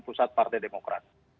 pusat partai demokrat